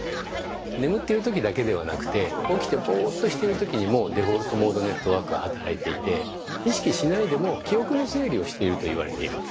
眠っているときだけではなくて起きてボーっとしてるときにもデフォルトモードネットワークは働いていて意識しないでも記憶の整理をしていると言われています。